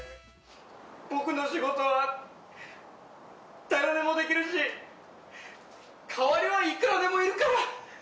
僕の仕事は誰にもできるし代わりはいくらでもいるから！